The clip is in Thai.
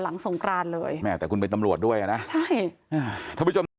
หลังสงกรานเลยแม่แต่คุณเป็นตำรวจด้วยอ่ะนะใช่